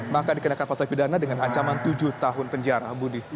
maka dikenakan pasal pidana dengan ancaman tujuh tahun penjara budi